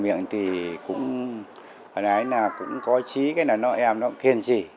miệng thì cũng có trí cái nội em nó kiên trì